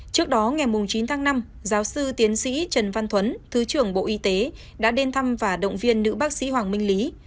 trước đó ngày chín tháng năm giáo sư tiến sĩ trần văn thuấn thứ trưởng bộ y tế đã đến thăm và động viên nữ bác sĩ hoàng minh lý